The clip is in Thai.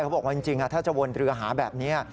บอกว่าจริงถ้าจะวนเรือหาแบบนี้